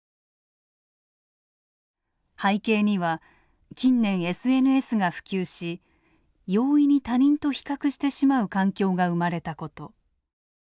背景には近年ＳＮＳが普及し容易に他人と比較してしまう環境が生まれたこと。